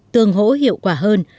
tương hỗ hiệu quả hơn